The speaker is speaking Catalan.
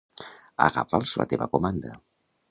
Agafa'ls la teva comanda.